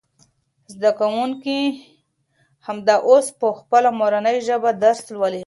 زده کوونکي همدا اوس په خپله مورنۍ ژبه درس لولي.